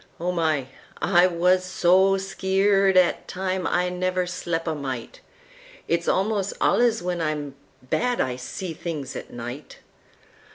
Oh, my! I wuz so skeered 'at time I never slep' a mite—It's almost alluz when I'm bad I see things at night!